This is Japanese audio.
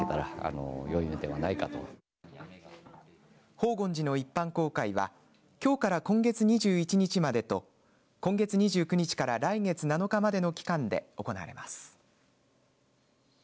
法厳寺の一般公開はきょうから今月２１日までと今月２９日から来月７日までの期間で行われます。